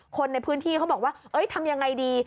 คนในพื้นที่เขาบอกว่าเดี๋ยวทำอย่างไรดี